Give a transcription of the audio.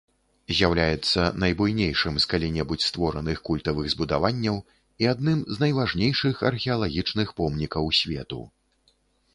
З'яўляецца найбуйнейшым з калі-небудзь створаных культавых збудаванняў і адным з найважнейшых археалагічных помнікаў свету.